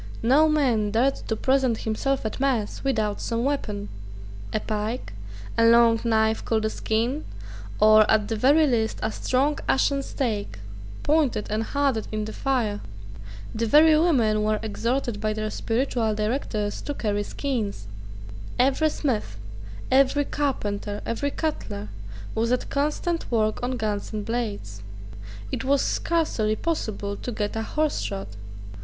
No man dared to present himself at mass without some weapon, a pike, a long knife called a skean, or, at the very least, a strong ashen stake, pointed and hardened in the fire. The very women were exhorted by their spiritual directors to carry skeans. Every smith, every carpenter, every cutler, was at constant work on guns and blades. It was scarcely possible to get a horse shod.